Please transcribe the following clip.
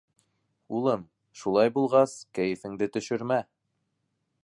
— Улым, шулай булғас, кәйефеңде төшөрмә.